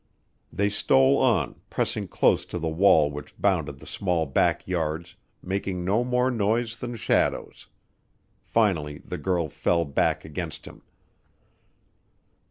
They stole on, pressing close to the wall which bounded the small back yards, making no more noise than shadows. Finally the girl fell back against him.